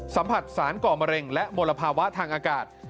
สัมผัสสารก่อมะเร็งและมลภาวะทางอากาศ